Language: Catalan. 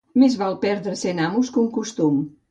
Més val perdre cent amos que un costum.